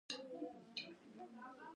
پکار ده چې هره زنانه دا ورزش کوي -